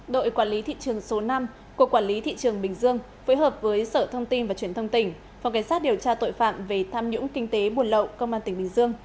đội quản lý thị trường số năm của quản lý thị trường bình dương phối hợp với sở thông tin và truyền thông tỉnh phòng cảnh sát điều tra tội phạm về tham nhũng kinh tế buồn lậu công an tỉnh bình dương